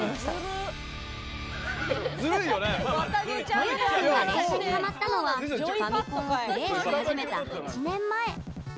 豊田君が連射にハマったのはファミコンをプレイし始めた８年前。